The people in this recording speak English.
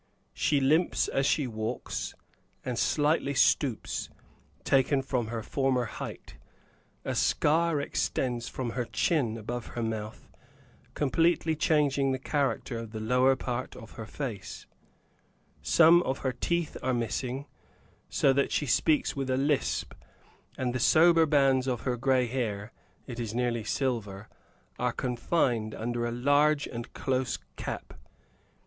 She limps as she walks, and slightly stoops, taken from her former height. A scar extends from her chin above her mouth, completely changing the character of the lower part of her face; some of her teeth are missing, so that she speaks with a lisp, and the sober bands of her gray hair it is nearly silver are confined under a large and close cap.